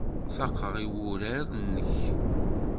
Faqeɣ i wurar-nnek.